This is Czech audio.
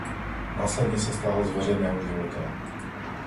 Následně se stáhl z veřejného života.